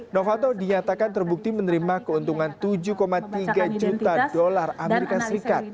novanto dinyatakan terbukti menerima keuntungan tujuh tiga juta dolar amerika serikat